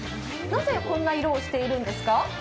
なぜこんな色をしているんですか？